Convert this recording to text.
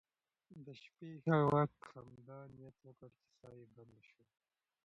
د شپې یې هغه وخت همدا نیت وکړ چې ساه یې بنده شوه.